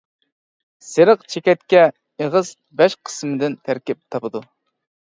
سېرىق چېكەتكە ئېغىز بەش قىسىمدىن تەركىب تاپىدۇ.